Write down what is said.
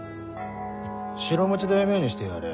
城持ち大名にしてやれ。